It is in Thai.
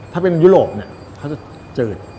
ถ้าเป็นยุโรปเนี่ยเขาจะจืด